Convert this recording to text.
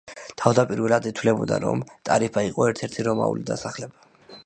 თავდაპირველად ითვლებოდა, რომ ტარიფა იყო ერთ-ერთი რომაული დასახლება.